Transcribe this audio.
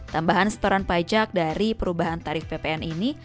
tambahan setoran pajak dari perubahan tarif ppn ini